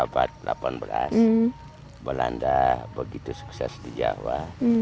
pada abad delapan belas belanda begitu sukses di jawa